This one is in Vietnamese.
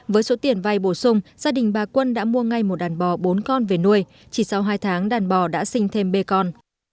với số tiền vay bổ sung gia đình bà quân đã mua ngay một đàn bò bốn con về nuôi chỉ sau hai tháng đàn bò đã sinh thêm bê con